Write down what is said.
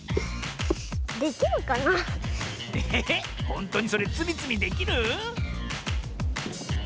ほんとにそれつみつみできる？